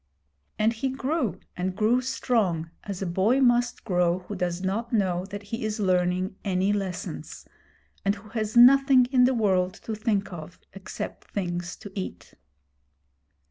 And he grew and grew strong as a boy must grow who does not know that he is learning any lessons, and who has nothing in the world to think of except things to eat.